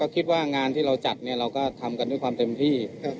คิดว่างานที่เราจัดเราก็ทำกันด้วยความเต็มที่